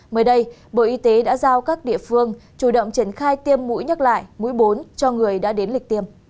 mới đây bộ y tế đã giao các địa phương chủ động triển khai tiêm mũi nhắc lại mũi bốn cho người đã đến lịch tiêm